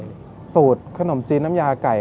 กลับมาสืบสาวเรื่องราวความประทับใจ